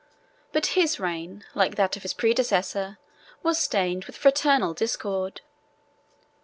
But his reign, like that of his predecessor, was stained with fraternal discord.